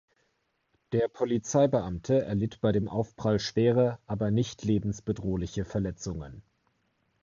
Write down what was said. Der Polizeibeamte erlitt bei dem Aufprall schwere, aber nicht lebensbedrohliche Verletzungen.